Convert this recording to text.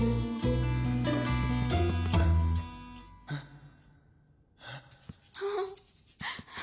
あっ！